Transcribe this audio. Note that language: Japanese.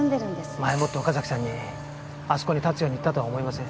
前もって岡崎さんにあそこに立つように言ったとは思えません。